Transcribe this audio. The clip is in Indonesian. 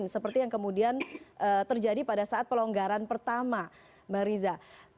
seperti yang kemudian terjadi pada saat pelonggaran pertama bang riza